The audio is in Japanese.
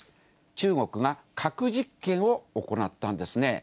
中国が核実験を行ったんですね。